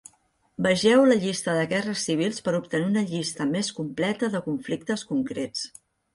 Vegeu la llista de guerres civils per obtenir una llista més completa de conflictes concrets.